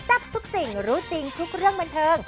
ทับทุกสิ่งรู้จริงทุกเรื่องบันเทิง